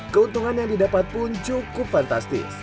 keuntungan yang didapat pun cukup fantastis